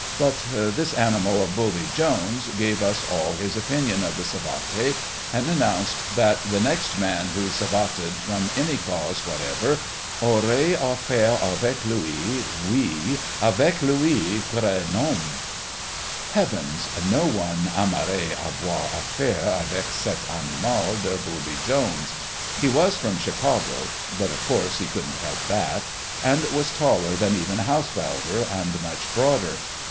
But "This Animal of a Buldy Jones" gave us all his opinion of the savate, and announced that the next man who savated from any cause whatever "aurait affaire avec lui, oui, avec lui, cre nom!" Heavens! No one aimerait avoir affaire avec cette animal de Buldy Jones. He was from Chicago (but, of course, he couldn't help that!), and was taller than even Haushaulder, and much broader.